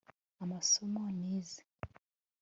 amasomo nize